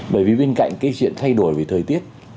bởi vì bên cạnh cái chuyện thay đổi về thời tiết